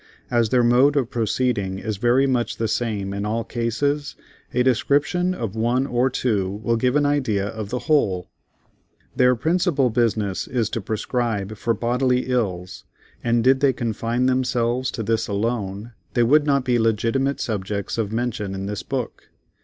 As their mode of proceeding is very much the same in all cases, a description of one or two will give an idea of the whole. Their principal business is to prescribe for bodily ills, and did they confine themselves to this alone, they would not be legitimate subjects of mention in this book.